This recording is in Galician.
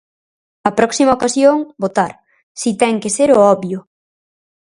A próxima ocasión, votar "si ten que ser o obvio".